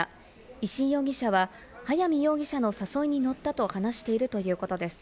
石井容疑者は、早見容疑者の誘いに乗ったと話しているということです。